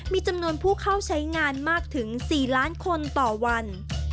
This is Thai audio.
มีจำนวนผู้เข้าใช้งานมากถึง๔ล้านคนต่อวัน